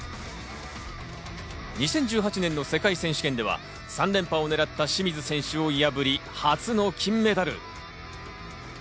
２０１８年の世界選手権では３連覇をねらった清水選手を破り、初の金メダル。